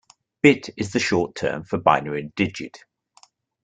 Bit is the short term for binary digit.